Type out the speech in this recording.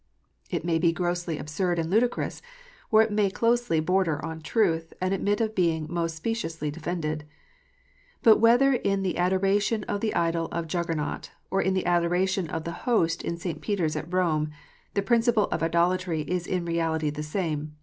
It may be grossly absurd and ludicrous, or it may closely border on truth, and admit of being most speciously defended. But whether in the adoration of the idol of Juggernaut, or in the adoration of the Host in St. Peter s at Kome, the principle of idolatry is in reality the same.